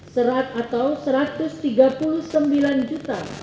serat atau satu ratus tiga puluh sembilan sembilan ratus tujuh puluh satu dua ratus enam puluh